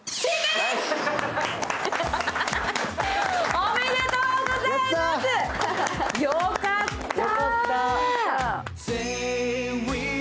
おめでとうございます。よかった。